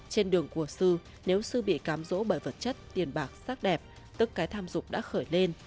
trên đường của sư nếu sư bị cám dỗ bởi vật chất tiền bạc sắc đẹp tức cái tham dục đã khởi lên